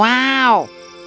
kami akan bantu